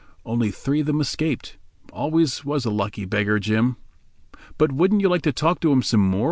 Only three of them escaped. Always was a lucky beggar, Jim." "But wouldn't you like to talk to him some more?"